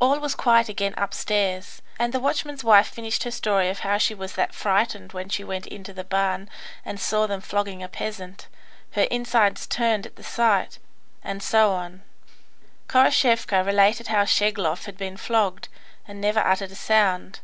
All was quiet again upstairs, and the watchman's wife finished her story of how she was that frightened when she went into the barn and saw them flogging a peasant, her inside turned at the sight, and so on. Khoroshevka related how Schegloff had been flogged, and never uttered a sound.